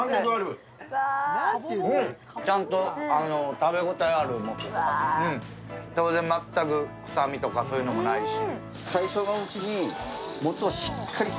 食べ応えがあるもつで、当然全く臭みとかそういうのもないし。